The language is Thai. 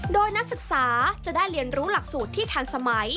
โดยนักศึกษาจะได้เรียนรู้หลักสูตรที่ทันสมัย